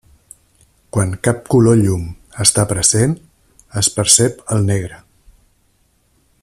Quan cap color llum està present, es percep el negre.